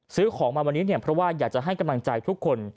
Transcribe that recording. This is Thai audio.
ซื้อของมาวันนี้เนี่ยเพราะว่าอยากจะให้กำลังใจทุกคน